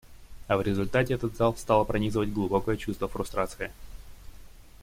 А в результате этот зал стало пронизывать глубокое чувство фрустрации.